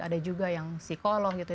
ada juga yang psikolog gitu